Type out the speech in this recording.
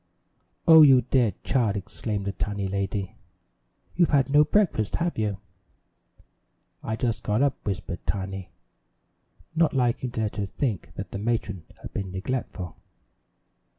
"Oh, you dear child!" exclaimed the tiny lady. "You've had no breakfast, have you?" "I just got up," whispered Tiny, not liking to let her think that the matron had been neglectful.